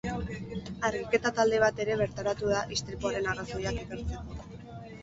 Argiketa talde bat ere bertaratu da istripuaren arrazoiak ikertzeko.